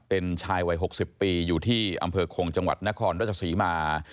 เป็นชายวัย๖๐ปีอยู่ที่อำเภอคงจังหวัดนครราชศรีมา